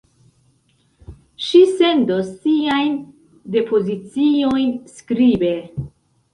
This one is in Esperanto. Ŝi sendos siajn depoziciojn skribe.